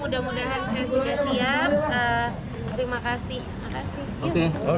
mudah mudahan saya sudah siap